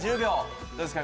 どうですか？